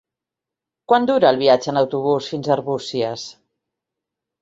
Quant dura el viatge en autobús fins a Arbúcies?